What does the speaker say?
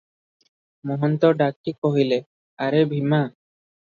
ମହନ୍ତେ ଡାକି କହିଲେ, "ଆରେ ଭୀମା!